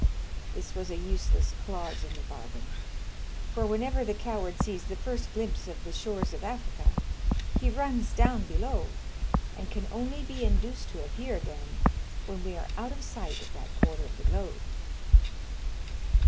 This was a useless clause in the bargain, for whenever the coward sees the first glimpse of the shores of Africa, he runs down below, and can only be induced to appear again when we are out of sight of that quarter of the globe."